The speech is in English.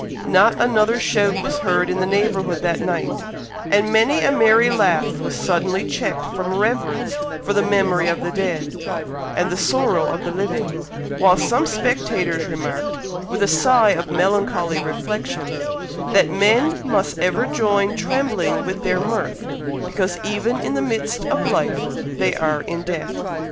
Not another shout was heard in the neighbourhood that night; and many a merry laugh was suddenly checked from reverence for the memory of the dead, and the sorrow of the living; while some spectators remarked, with a sigh of melancholy reflection, that men must ever join trembling with their mirth, because even in the midst of life they are in death.